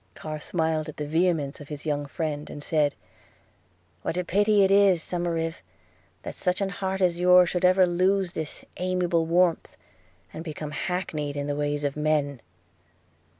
Carr smiled at the vehemence of his young friend, and said, 'What a pity it is, Somerive, that such an heart as yours should ever lose this amiable warmth, and become hackneyed in the ways of men!'